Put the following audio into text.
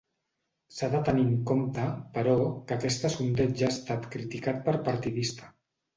S'ha de tenir en compte, però, que aquesta sondeig ha estat criticat per partidista.